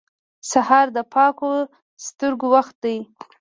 سهار د پاکو سترګو وخت دی.